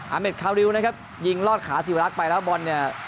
เมดคาริวนะครับยิงลอดขาศิวรักษ์ไปแล้วบอลเนี่ย